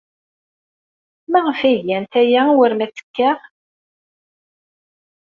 Maɣef ay gant aya war ma ttekkaɣ?